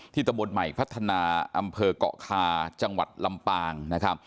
ที่ตะบดใหม่ภัฒนาอำเภอกะคาจังหวัดลำปาง